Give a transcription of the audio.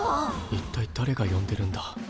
一体だれが呼んでるんだ。